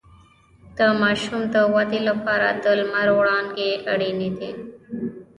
د ماشوم د ودې لپاره د لمر وړانګې اړینې دي